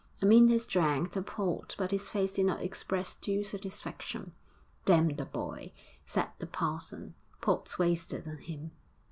Amyntas drank the port, but his face did not express due satisfaction. 'Damn the boy!' said the parson. 'Port's wasted on him.'